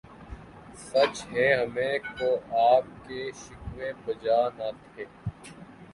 سچ ہے ہمیں کو آپ کے شکوے بجا نہ تھے